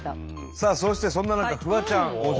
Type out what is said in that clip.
さあそしてそんな中フワちゃん大阪。